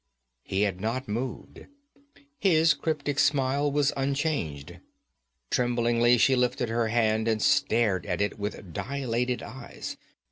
He had not moved; his cryptic smile was unchanged. Tremblingly she lifted her hand and stared at it with dilated eyes.